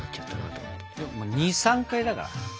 でも２３回だから。